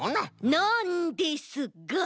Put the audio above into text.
なんですが！